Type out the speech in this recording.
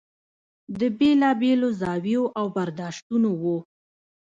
د بېلا بېلو زاویو او برداشتونو و.